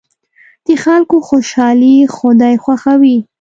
د خلکو خوشحالي خدای خوښوي.